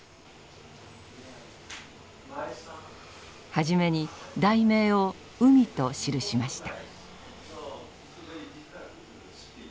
初めに題名を「海」と記しました。